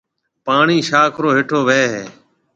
پوڻِي شاخ ريَ هيَٺون وهيَ هيَ۔